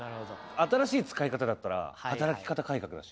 新しい使い方だったら働き方改革だし。